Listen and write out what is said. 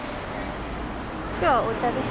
今日はお茶です。